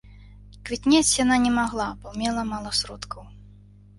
Квітнець яна не магла, бо мела мала сродкаў.